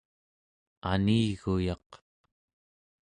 aniguyaq